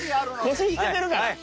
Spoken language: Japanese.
腰引けてるから。